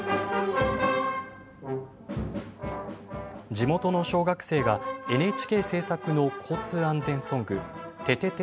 地元の小学生がＮＨＫ制作の交通安全ソング、ててて！